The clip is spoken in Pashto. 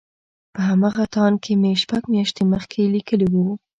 په همغه تاند کې مې شپږ مياشتې مخکې ليکلي وو.